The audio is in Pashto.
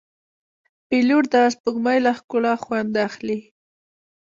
پیلوټ د سپوږمۍ له ښکلا خوند اخلي.